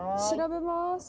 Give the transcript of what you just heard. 調べます。